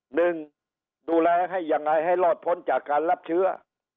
หนึ่งดูแลให้ยังไงให้รอดพ้นจากการรับเชื้อ